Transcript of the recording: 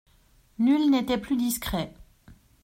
Nul n'était plus discret.